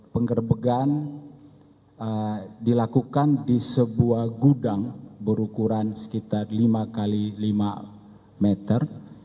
penggerbegan dilakukan di sebuah gudang berukuran sekitar lima x lima meter